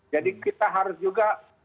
jadi kita harus juga